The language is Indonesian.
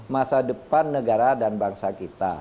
masa depan negara dan bangsa kita